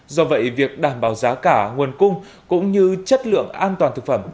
do vậy việc đảm bảo giá cả nguồn cung cũng như chất lượng an toàn thực phẩm